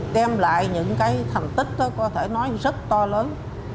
đem lại những cái thành tích có thể nói rất to lớn